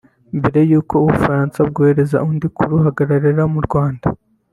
Mbere y’uko u Bufaransa bwohereza undi kuruhagararira mu Rwanda